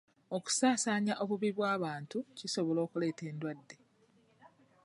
Okusaasaanya obubi bw'abantu kisobola okuleeta endwadde.